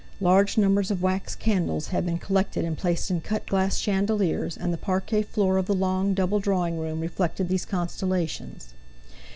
Large numbers of wax candles had been collected and placed in cut glass chandeliers, and the parquet floor of the long, double drawing room reflected these constellations.